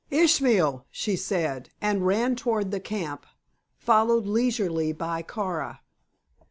"Ishmael!" she said, and ran toward the camp, followed leisurely by Kara.